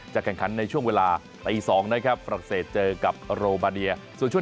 จะแข่งขันในช่วงเวลาปี๒นะครับฝรั่งเศสเจอกับโรบาเดีย